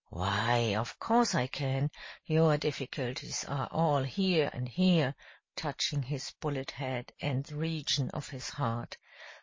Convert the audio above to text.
"Why, of course I can. Your difficulties are all here and here," touching his bullet head and the region of his heart.